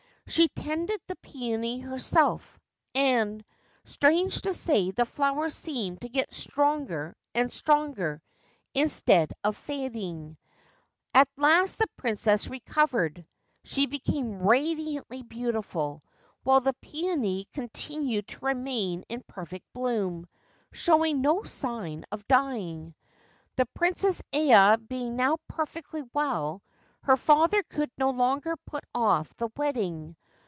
She tended the peony herself, and, strange to say, the flower seemed to get stronger and stronger, instead of fading. At last the Princess recovered. She became radiantly beautiful, while the peony continued to remain in perfect bloom, showing no sign of dying. The Princess Aya being now perfectly well, her father could no longer put off the wedding.